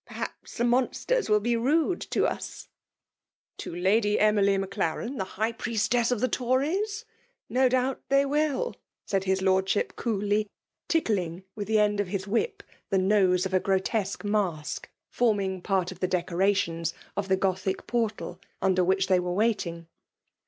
Perhaps the monsters will be rude to nsr <'To Lady Emily Maclaxen, the high* priestess of the Tories ?— No doubt they will," said his lordship coolly ; tickling with the end of his whip the nose of a grotesque mask, fccming part of the decorations of the Gotluc portal under which they were waiting.